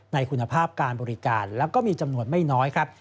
ในคุณภาพการบริการแล้วก็มีจำนวนไม่น้อยครับ